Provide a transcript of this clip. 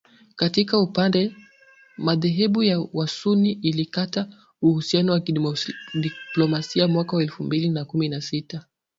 katika upande madhehebu ya wasunni, ilikata uhusiano wa kidiplomasia mwaka elfu mbili na kumi na sita